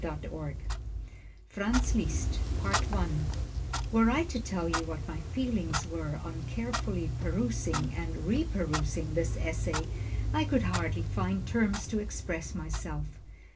[Illustration: FRANZ LISZT] FRANZ LISZT Were I to tell you what my feelings were on carefully perusing and reperusing this essay, I could hardly find terms to express myself.